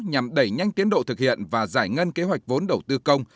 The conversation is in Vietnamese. nhằm đẩy nhanh tiến độ thực hiện và giải ngân kế hoạch vốn đầu tư công